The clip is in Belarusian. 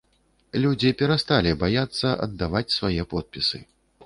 Людзі перасталі баяцца аддаваць свае подпісы.